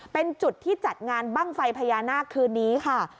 เป็นจุดที่จัดงานบ้างไฟพญานาคคืนนี้ค่ะ